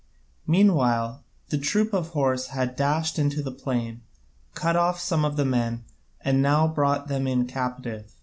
Meanwhile the troop of horse had dashed into the plain, cut off some of the men, and now brought them in captive.